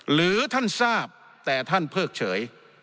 หรือท่านทราบแต่ท่านเพิกเฉย